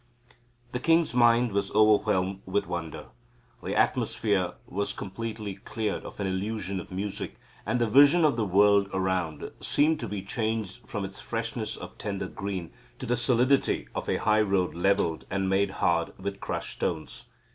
The king's mind was overwhelmed with wonder. The atmosphere was completely cleared of all illusion of music, and the vision of the world around seemed to be changed from its freshness of tender green to the solidity of a high road levelled and made hard with crushed stones.